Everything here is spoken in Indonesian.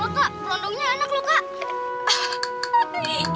oh kak berondongnya enak lho kak